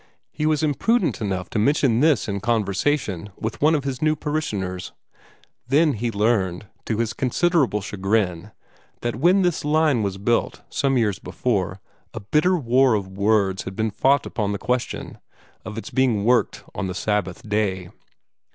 He was imprudent enough to mention this in conversation with one of his new parishioners. Then he learned, to his considerable chagrin, that when this line was built, some years before, a bitter war of words had been fought upon the question of its being worked on the Sabbath day.